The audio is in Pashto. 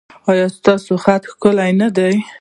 ایا ستاسو خط ښکلی نه دی؟